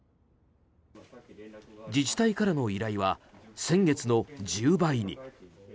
自治体からの依頼は先月の１０倍に。